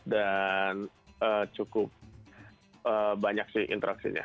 dan cukup banyak sih interaksinya